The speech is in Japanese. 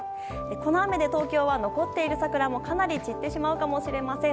この雨で東京は残っている桜もかなり散ってしまうかもしれません。